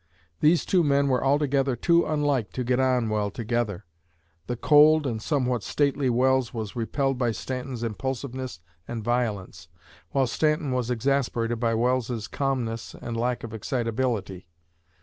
These two men were altogether too unlike to get on well together. The cold and somewhat stately Welles was repelled by Stanton's impulsiveness and violence, while Stanton was exasperated by Welles's calmness and lack of excitability.